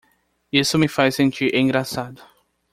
Isso me faz sentir engraçado.